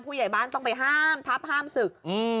ผู้ใหญ่บ้านต้องไปห้ามทับห้ามศึก